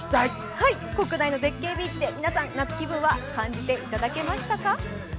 国内の絶景ビーチで夏気分は感じていただけましたか。